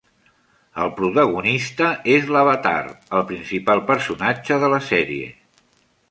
El protagonista és l'Avatar, el principal personatge de la sèrie.